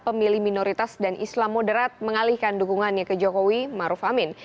pemilih minoritas dan islam moderat mengalihkan dukungannya ke jokowi maruf amin